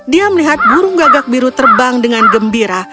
dia melihat burung gagak biru terbang dengan gembira